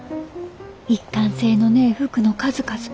一貫性のねえ服の数々。